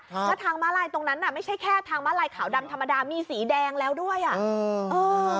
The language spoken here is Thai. แล้วทางม้าลายตรงนั้นน่ะไม่ใช่แค่ทางม้าลายขาวดำธรรมดามีสีแดงแล้วด้วยอ่ะเออเออ